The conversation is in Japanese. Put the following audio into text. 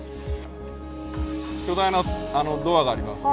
巨大なドアがありますね。